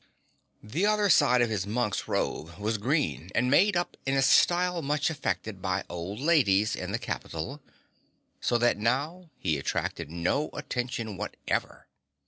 The other side of his monk's robe was green and made up in a style much affected by old ladies in the capital, so that now he attracted no attention whatever.